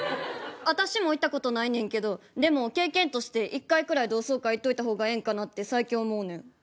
私も行った事ないねんけどでも経験として１回くらい同窓会行っといた方がええんかなって最近思うねん。